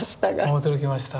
驚きました。